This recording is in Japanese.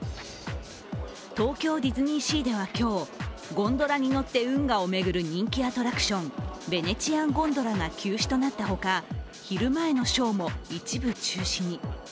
東京ディズニーシーでは今日ゴンドラに乗って運河を巡る人気アトラクション、ヴェネツィアン・ゴンドラが休止となったほか、昼前のショーも一部中止に。